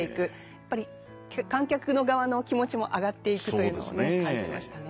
やっぱり観客の側の気持ちも上がっていくというのを感じましたね。